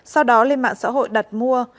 sau đó lên mạng xã hội đặt mua